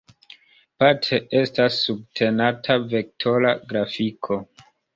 Parte estas subtenata vektora grafiko.